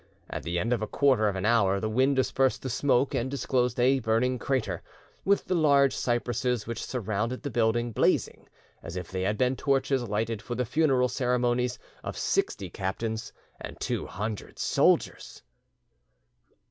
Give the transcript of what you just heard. At the end of a quarter of an hour the wind dispersed the smoke, and disclosed a burning crater, with the large cypresses which surrounded the building blazing as if they had been torches lighted for the funeral ceremonies of sixty captains and two hundred soldiers.